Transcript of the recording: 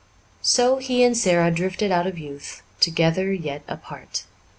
So he and Sara drifted out of youth, together yet apart.